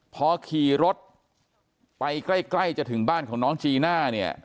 พอขี่รถไปใกล้จะถึงบ้านของน้องจีน่าเนี่ย